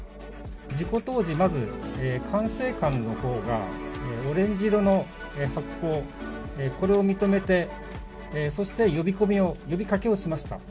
事故当時、まず管制官の方がオレンジ色の発光、これを認めてそして、呼びかけをしました。